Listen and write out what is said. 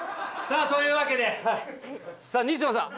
さあというわけでさあ西野さん